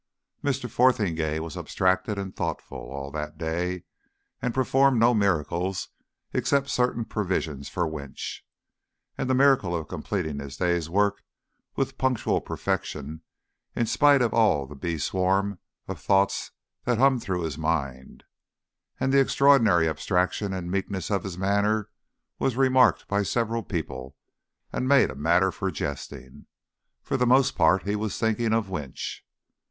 Mr. Fotheringay was abstracted and thoughtful all that day, and performed no miracles except certain provisions for Winch, and the miracle of completing his day's work with punctual perfection in spite of all the bee swarm of thoughts that hummed through his mind. And the extraordinary abstraction and meekness of his manner was remarked by several people, and made a matter for jesting. For the most part he was thinking of Winch.